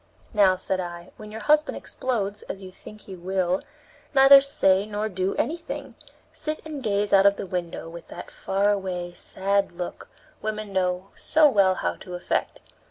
"Now," said I, "when your husband explodes, as you think he will, neither say nor do anything; sit and gaze out of the window with that far away, sad look women know so well how to affect.